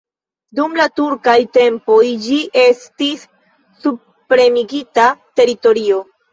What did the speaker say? Dum la turkaj tempoj ĝi estis subpremigita teritorio.